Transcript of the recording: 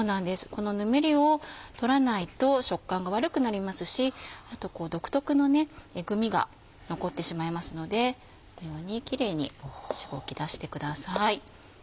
このぬめりを取らないと食感が悪くなりますしあと独特のえぐみが残ってしまいますのでこのようにキレイにしごき出してください。